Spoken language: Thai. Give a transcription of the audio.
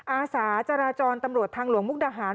อาสาจราจรตำรวจทางหลวงมุกดาหาร